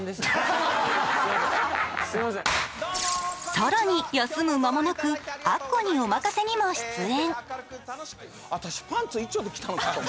更に、休む間もなく「アッコにおまかせ！」にも出演。